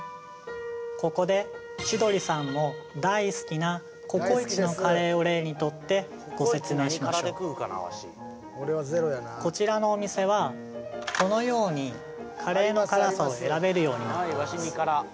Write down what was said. ここで千鳥さんも大好きなココイチのカレーを例にとってご説明しましょうこちらのお店はこのようにカレーの辛さを選べるようになっています